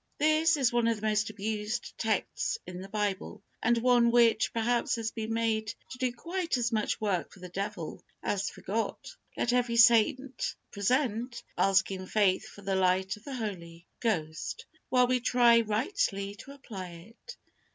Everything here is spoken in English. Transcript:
This is one of the most abused texts in the Bible, and one which, perhaps, has been made to do quite as much work for the devil as for God. Let every saint present, ask in faith for the light of the Holy Ghost, while we try rightly to apply it.